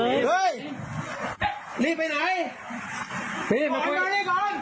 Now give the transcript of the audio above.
ยัวเอียดอังปืน